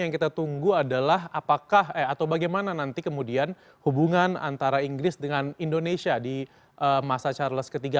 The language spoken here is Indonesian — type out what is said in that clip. yang kita tunggu adalah apakah atau bagaimana nanti kemudian hubungan antara inggris dengan indonesia di masa charles iii